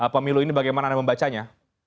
pemilu ini bagaimana anda membacanya